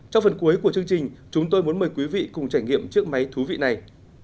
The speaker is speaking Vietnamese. trong phần cuối của chương trình chúng tôi muốn mời quý vị cùng trải nghiệm chiếc máy thú vị này